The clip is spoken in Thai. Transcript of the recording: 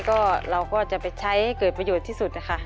ก็เราก็จะไปใช้ให้เกิดประโยชน์ที่สุดนะคะ